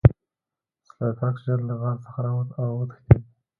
سلای فاکس ژر له غار څخه راووت او وتښتید